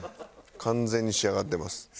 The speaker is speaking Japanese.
完全に仕上がってます。